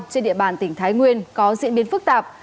trên địa bàn tỉnh thái nguyên có diễn biến phức tạp